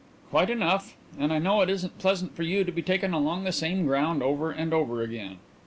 "Quite enough. And I know it isn't pleasant for you to be taken along the same ground over and over again."